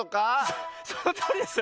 そのとおりです。